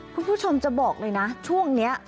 คุณผู้ชมจะบอกเลยนะช่วงนี้